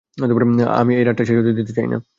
আমি এই রাতটা শেষ হতে দিতে চাই না।